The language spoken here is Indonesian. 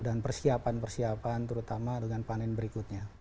dan persiapan persiapan terutama dengan panen berikutnya